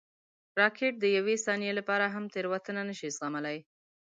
راکټ د یوې ثانیې لپاره هم تېروتنه نه شي زغملی